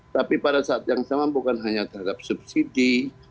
tapi pada saat yang sama bukan hanya terhadap subsidi